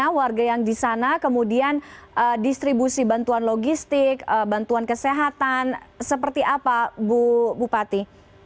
warga yang di sana kemudian distribusi bantuan logistik bantuan kesehatan seperti apa bu bupati